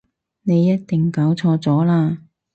你一定搞錯咗喇